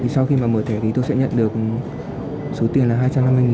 sau khi mà mở thẻ thì tôi sẽ nhận được số tiền là hai trăm năm mươi